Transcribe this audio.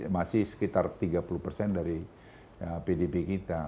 masih sekitar tiga puluh persen dari pdb kita